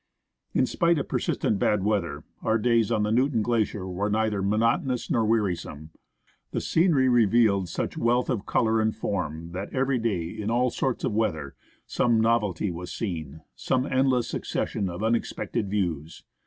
In spite of persistent bad weather, our days on the Newton Glacier were neither monotonous nor wearisome. The scenery re vealed such wealth of colour and form, that every day, in all sorts of weather, some novelty was seen, some endless succession of unexpected views.